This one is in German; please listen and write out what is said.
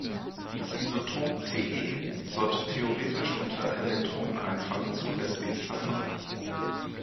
Das Isotop Te sollte theoretisch unter Elektroneneinfang zu Sb zerfallen.